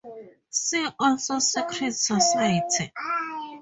See also secret society.